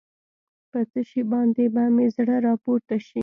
په څه شي باندې به مې زړه راپورته شي.